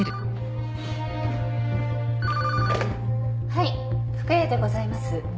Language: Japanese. はい深谷でございます。